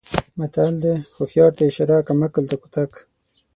متل دی: هوښیار ته اشاره کم عقل ته کوتک.